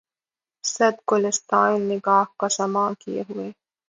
صد گلستاں نِگاه کا ساماں کئے ہوے